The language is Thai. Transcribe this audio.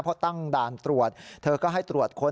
พอตั้งด่านตรวจเธอก็ให้ตรวจค้น